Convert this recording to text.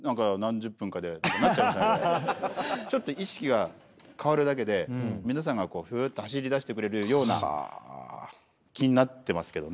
ちょっと意識が変わるだけで皆さんがふっと走り出してくれるような気になってますけどね。